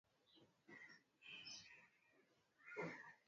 na tunawashukuru sana european union na tunashukuru secretariat ya east afrika